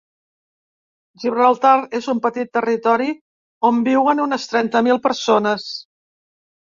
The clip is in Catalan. Gibraltar és un petit territori on viuen unes trenta mil persones.